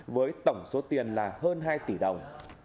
với tổng số tiền là hơn hai tỷ đồng